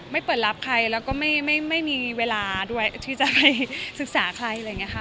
เปิดรับใครแล้วก็ไม่มีเวลาด้วยที่จะไปศึกษาใครอะไรอย่างนี้ค่ะ